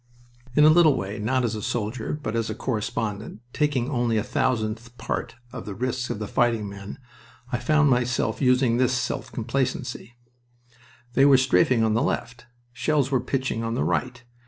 In a little way, not as a soldier, but as a correspondent, taking only a thousandth part of the risks of fighting men, I found myself using this self complacency. They were strafing on the left. Shells were pitching on the right.